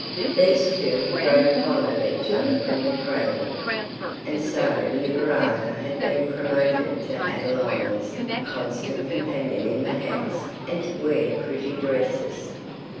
These two had grown fond of each other from the cradle, and so Liberata had been promoted to be Adelina's constant companion in the house and to wear pretty dresses.